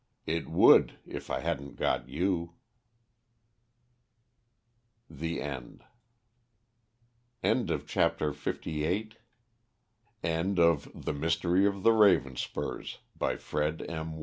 It would if I hadn't got you." THE END. End of Project Gutenberg's The Mystery of the Ravenspurs, by Fred M.